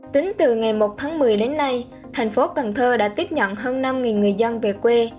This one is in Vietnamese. tính từ ngày một tháng một mươi đến nay thành phố cần thơ đã tiếp nhận hơn năm người dân về quê